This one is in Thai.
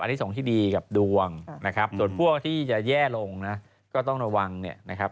อันนี้ส่งที่ดีกับดวงนะครับส่วนพวกที่จะแย่ลงนะก็ต้องระวังเนี่ยนะครับ